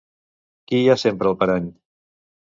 Qui hi ha sempre al parany?